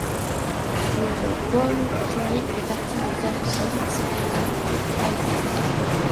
Le ball clay fait partie des argiles secondaires ou alluviales.